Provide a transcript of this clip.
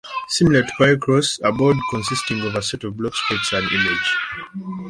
Similar to "Picross", a board consisting of a set of blocks creates an image.